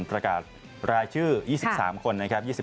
ประกาศรายชื่อ๒๓คนนะครับ